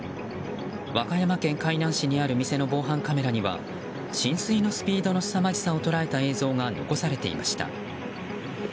和歌山県海南市にある店の防犯カメラには浸水のスピードのすさまじさを捉えた映像が残されていました。